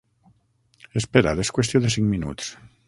Espera't, és qüestió de cinc minuts.